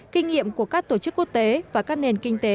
kinh nghiệm của các tổ chức quốc tế và các nền kinh tế